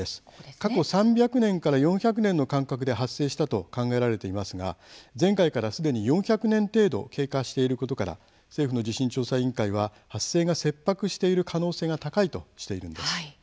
過去３００年から４００年の間隔で発生したと考えられていますが前回から、すでに４００年程度経過していることから政府の地震調査委員会は発生が切迫している可能性が高いとしているんです。